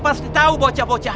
atau agak besar